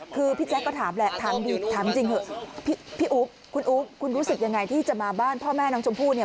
คือพี่แจ๊คก็ถามแหละถามดีถามจริงเถอะพี่อุ๊บคุณอุ๊บคุณรู้สึกยังไงที่จะมาบ้านพ่อแม่น้องชมพู่เนี่ย